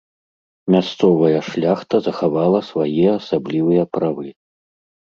Мясцовая шляхта захавала свае асаблівыя правы.